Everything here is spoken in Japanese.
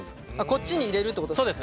こっちに入れるってことですか？